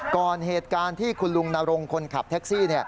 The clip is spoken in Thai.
เหตุการณ์ที่คุณลุงนรงคนขับแท็กซี่